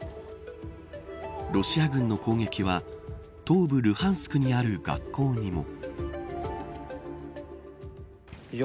ロシア軍の攻撃は東部ルハンスクにある学校にも。